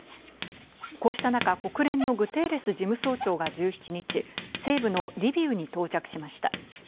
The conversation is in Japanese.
こうした中、国連のグテーレス事務総長が１７日、西部のリビウに到着しました。